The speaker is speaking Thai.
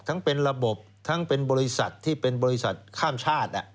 ทั้งเป็นระบบทั้งเป็นบริษัทที่เป็นบริษัทข้ามชาติ